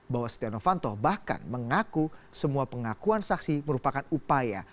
bahwa setia novanto bahkan mengaku semua pengakuan saksi merupakan upaya